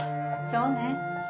そうね。